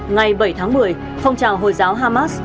ngày bảy tháng một mươi phong trào hồi giáo hamas